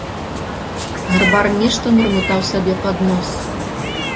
Гарбар нешта мармытаў сабе под нос.